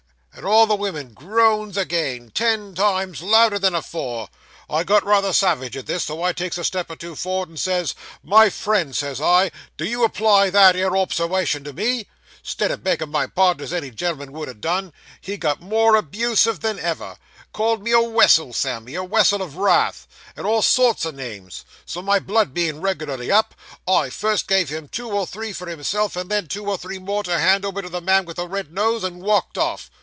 and all the women groans again, ten times louder than afore. I got rather savage at this, so I takes a step or two for'ard and says, "My friend," says I, "did you apply that 'ere obserwation to me?" 'Stead of beggin' my pardon as any gen'l'm'n would ha' done, he got more abusive than ever: called me a wessel, Sammy a wessel of wrath and all sorts o' names. So my blood being reg'larly up, I first gave him two or three for himself, and then two or three more to hand over to the man with the red nose, and walked off.